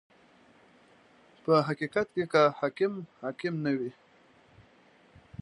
• په حقیقت کې که حاکم حاکم نه وي.